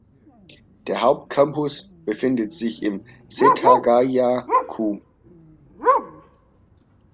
Der Hauptcampus befindet sich im Setagaya-ku.